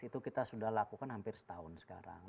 itu kita sudah lakukan hampir setahun sekarang